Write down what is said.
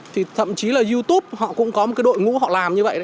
thì thậm chí là youtube họ cũng có một cái đội ngũ họ làm như vậy